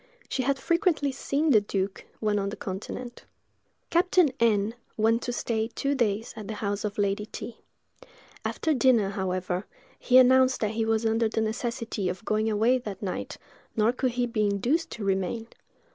She had frequently seen the duke, when on the continent. Captain N—— went to stay two days at the house of Lady T——. After dinner, however, he announced that he was under the necessity of going away that night, nor could he be induced to remain.